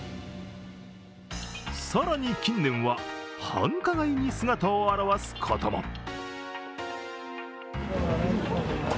更に近年は、繁華街に姿を現すことも。